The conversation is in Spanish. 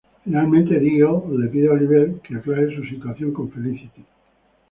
Finalmente, Diggle le pide a Oliver que aclare su situación con Felicity.